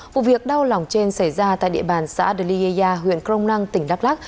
vụ việc đau lòng trên xảy ra tại địa bàn xã adeliea huyện krong nang tỉnh đắk lắc